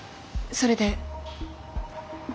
それで？